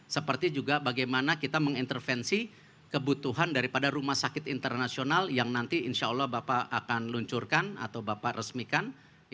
seperti juga bagaimana kita mengintervensi kebutuhan daripada rumah sakit internasional yang nanti insya allah bapak akan luncurkan atau bapak resmikan